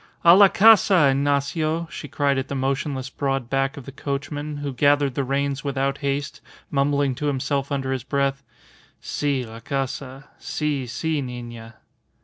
"A la casa, Ignacio," she cried at the motionless broad back of the coachman, who gathered the reins without haste, mumbling to himself under his breath, "Si, la casa. Si, si nina."